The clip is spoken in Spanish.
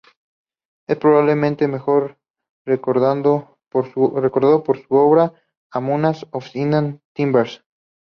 Es probablemente mejor recordado por su obra "A Manual of Indian Timbers".